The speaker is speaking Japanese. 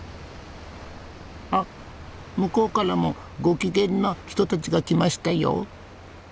あっ向こうからもご機嫌な人たちが来ましたよ。